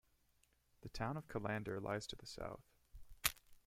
The town of Callander lies to the south.